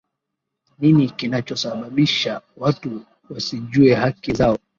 nini kinachosababisha watu wasijue haki zao